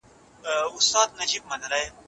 افغان نارینه د مدني اعتراضونو قانوني اجازه نه لري.